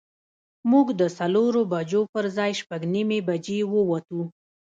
موږ د څلورو بجو پر ځای شپږ نیمې بجې ووتو.